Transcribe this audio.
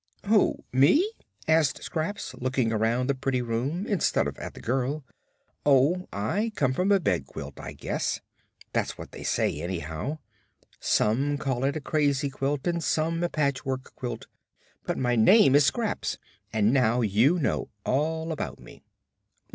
"Who, me?" asked Scraps, looking around the pretty room instead of at the girl. "Oh, I came from a bed quilt, I guess. That's what they say, anyhow. Some call it a crazy quilt and some a patchwork quilt. But my name is Scraps and now you know all about me."